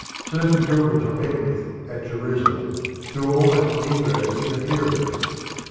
Certain pilgrims were met with at Jerusalem who were almost negroes in appearance.